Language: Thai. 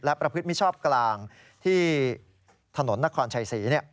และประพฤติมิชอบกลางที่ถนนนครชัยศรี